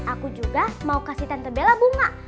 aku juga mau kasih tante bela bunga